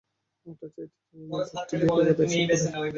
ওটা চাইতে যাওয়ার মধ্যে একটু ভিক্ষুকতা এসে পড়ে।